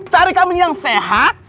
cari kambing yang sehat